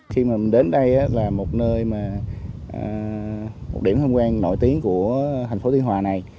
khi mà đến đây là một nơi mà một điểm tham quan nổi tiếng của thành phố tuy hòa này